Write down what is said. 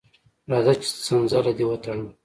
راځه چې څنځله دې وتړم.